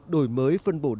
đổi mới phân bổ đầu tư công